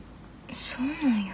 そうなんや。